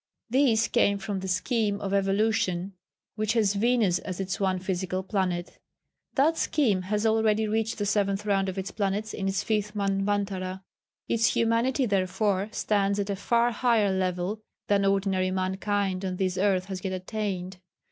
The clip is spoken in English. These came from the scheme of evolution which has Venus as its one physical planet. That scheme has already reached the Seventh Round of its planets in its Fifth Manvantara; its humanity therefore stands at a far higher level than ordinary mankind on this earth has yet attained.